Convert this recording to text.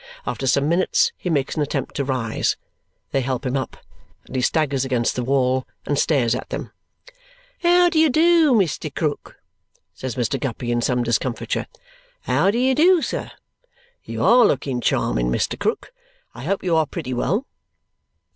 After some minutes he makes an attempt to rise. They help him up, and he staggers against the wall and stares at them. "How do you do, Mr. Krook?" says Mr. Guppy in some discomfiture. "How do you do, sir? You are looking charming, Mr. Krook. I hope you are pretty well?"